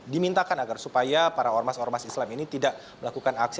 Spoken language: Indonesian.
dimintakan agar supaya para ormas ormas islam ini tidak melakukan aksi